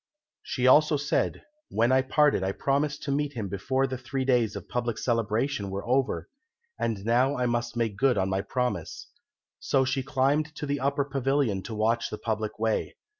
She also said, "When we parted I promised to meet him before the three days of public celebration were over, and now I must make good my promise." So she climbed to the upper pavilion to watch the public way.